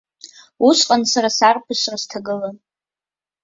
Усҟан сара сарԥысра сҭагылан.